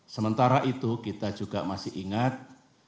sementara itu kita juga masih ingat